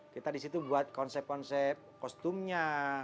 kita di situ buat konsep konsep kostumnya